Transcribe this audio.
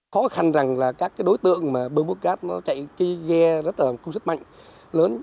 khó khăn rằng là các đối tượng mà bơm hút cát nó chạy cái ghe rất là công sức mạnh lớn